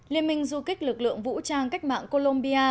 liên minh du kích lực lượng vũ trang cách mạng colombia